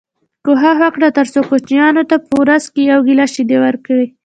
کوښښ وکړئ تر څو کوچنیانو ته په ورځ کي یو ګیلاس شیدې ورکړی